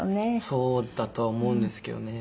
そうだと思うんですけどね。